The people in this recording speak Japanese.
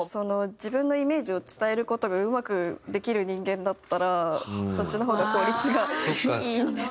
自分のイメージを伝える事がうまくできる人間だったらそっちの方が効率がいいんですけど。